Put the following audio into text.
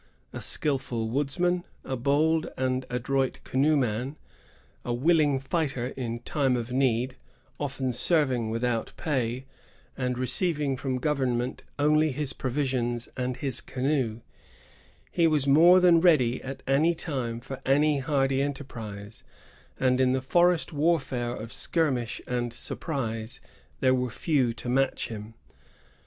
A skilful woodsman, a bold and adroit canoe man, a willing fighter in time of need, often serving without pay, and receiving from government only his provisions and his canoe, he was more than ready at any time for any hardy enterprise; and in the forest warfare of skirmish and surprise there were few to match him.